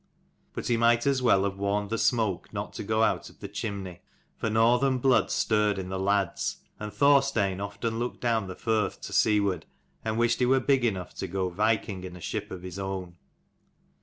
But he might as well have warned the smoke not to go out of the chimney. For northern blood stirred in the lads: and Thorstein often looked down the firth to seaward, and wished he were big enough to go viking in a ship of his own.